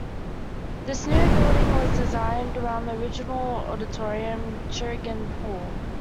This new building was designed around the original auditorium, Cringan Hall.